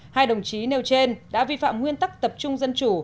hai đồng chí nêu trên đã vi phạm nguyên tắc tập trung dân chủ